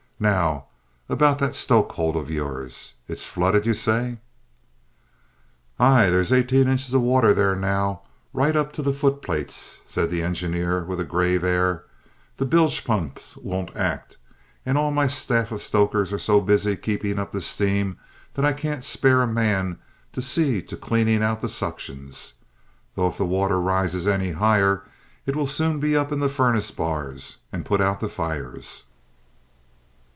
Now, about that stoke hold of yours. It's flooded, you say?" "Aye; there's eighteen inches of water there now, right up to the footplates," said the engineer with a grave air. "The bilge pumps won't act, and all my staff of stokers are so busy keeping up the steam that I can't spare a man to see to clearing out the suctions, though if the water rises any higher, it will soon be up to the furnace bars and put out the fires."